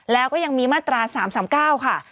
แล้วก็ยังมีมาตรา๓๓๙ค่ะ